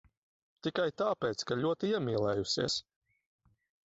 Tikai tāpēc, ka ļoti iemīlējusies.